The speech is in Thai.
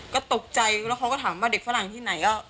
ก็ตกใจแล้วเขาก็ถามว่าเด็กฝรั่งที่ไหนก็